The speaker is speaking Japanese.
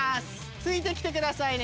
ついてきてくださいね。